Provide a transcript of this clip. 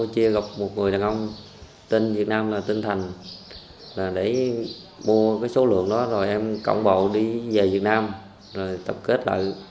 trong tỉnh việt nam là tỉnh thành để mua số lượng đó em cộng bộ đi về việt nam tập kết lợi